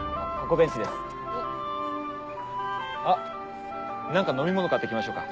あっ何か飲み物買って来ましょうか？